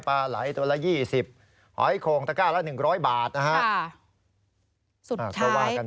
ปลาไหลตัวละยี่สิบหอยโขงตะกาแล้วหนึ่งร้อยบาทนะฮะสุดท้ายก็ว่ากัน